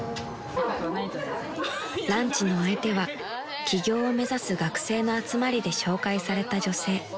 ［ランチの相手は起業を目指す学生の集まりで紹介された女性］